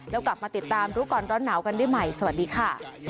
แล้วกลับมาติดตามรู้ก่อนร้อนหนาวกันได้ใหม่สวัสดีค่ะ